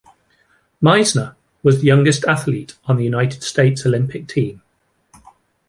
Meissner was the youngest athlete on the United States Olympic team.